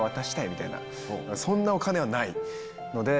そんなお金はないので。